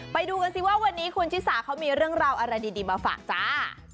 ไปดูกันสิว่าวันนี้คุณชิสาเขามีเรื่องราวอะไรดีมาฝากจ้า